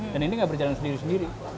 dan ini nggak berjalan sendiri sendiri